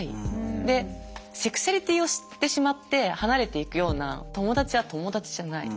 でセクシュアリティーを知ってしまって離れていくような友達は友達じゃない。